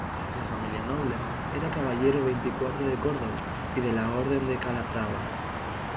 De familia noble, era caballero veinticuatro de Córdoba y de la Orden de Calatrava.